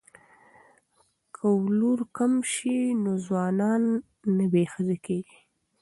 که ولور کم شي نو ځوانان نه بې ښځې کیږي.